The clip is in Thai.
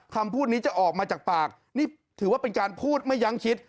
คำพูดนี้จะออกมาจากปากนี่ถือว่าเป็นการพูดไม่ยั้งคิด